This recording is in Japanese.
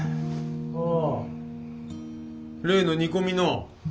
ああ例の煮込みの？